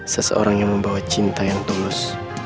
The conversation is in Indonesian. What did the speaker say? seseorang yang membawa cinta yang tulus